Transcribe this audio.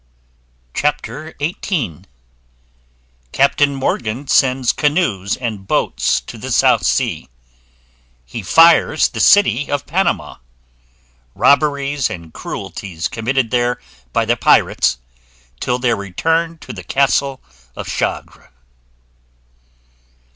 CHAPTER XVIII _Captain Morgan sends canoes and boats to the South Sea He fires the city of Panama Robberies and cruelties committed there by the pirates, till their return to the Castle of Chagre.